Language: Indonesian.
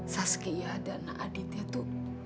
saskia dan aditya tuh